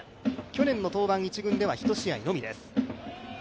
去年の登板、１軍では１試合のみです